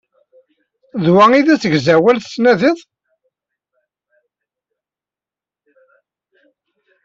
D wa i d asegzawal i tettnadiḍ?